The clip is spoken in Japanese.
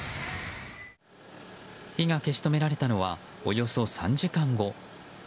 火が消し止められたのはおよそ３時間後。